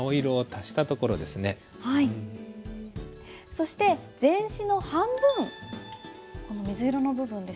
そして全紙の半分この水色の部分ですね。